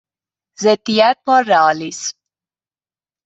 ضدیت با رئالیسم